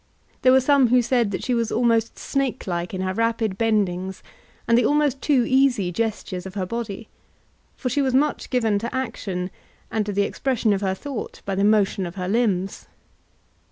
There were some who said that she was almost snake like in her rapid bendings and the almost too easy gestures of her body; for she was much given to action, and to the expression of her thought by the motion of her limbs.